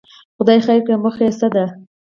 خدای خیر کړي، موخه یې څه ده.